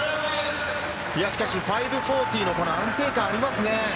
しかし５４０の安定感ありますね。